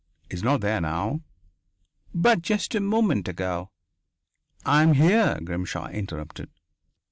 "He is not there now." "But just a moment ago " "I am here," Grimshaw interrupted.